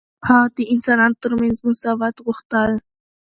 هغه د انسانانو ترمنځ مساوات غوښتل.